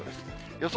予想